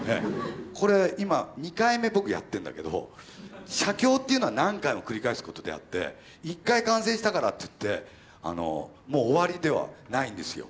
これ今２回目僕やってるんだけど写経っていうのは何回も繰り返すことであって一回完成したからっていってもう終わりではないんですよ。